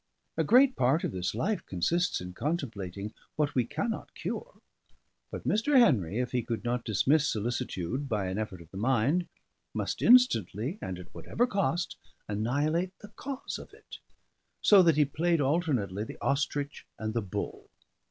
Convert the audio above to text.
A great part of this life consists in contemplating what we cannot cure; but Mr. Henry, if he could not dismiss solicitude by an effort of the mind, must instantly and at whatever cost annihilate the cause of it; so that he played alternately the ostrich and the bull.